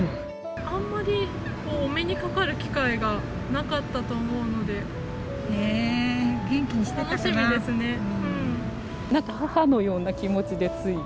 あんまりお目にかかる機会がなかったと思うので、楽しみですなんか母のような気持ちで、つい。